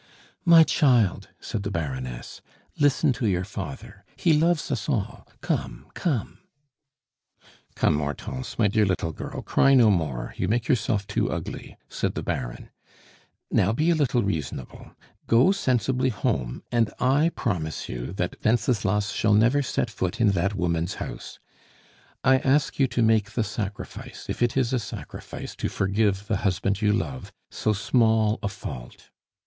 "My child," said the Baroness, "listen to your father! He loves us all come, come " "Come, Hortense, my dear little girl, cry no more, you make yourself too ugly!" said the Baron, "Now, be a little reasonable. Go sensibly home, and I promise you that Wenceslas shall never set foot in that woman's house. I ask you to make the sacrifice, if it is a sacrifice to forgive the husband you love so small a fault.